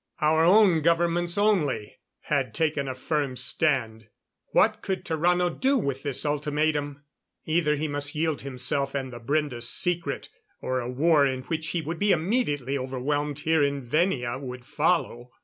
Our own governments only had taken a firm stand. What could Tarrano do with this ultimatum? Either he must yield himself and the Brende secret, or a war in which he would be immediately overwhelmed here in Venia would follow.